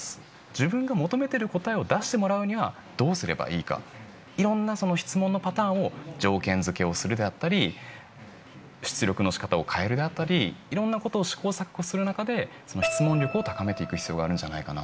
自分が求めている答えを出してもらうにはどうすればいいか、いろんな質問のパターンを条件付けをするであったり、出力のしかたを変えるであったり、いろんなことを試行錯誤する中で、質問力を高めていく必要があるんじゃないかな。